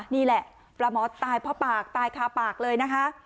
นี่แหละปลาหมอตายเพราะปากตายคาปากเลยนะคะ